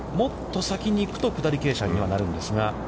もっと先に行くと下り傾斜にはなるんですが。